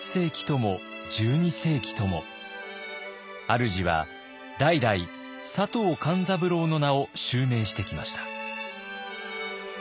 あるじは代々佐藤勘三郎の名を襲名してきました。